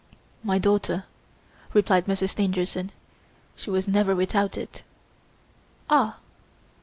"My daughter," replied Monsieur Stangerson, "she was never without it. "Ah!